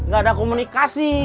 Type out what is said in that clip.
gak ada komunikasi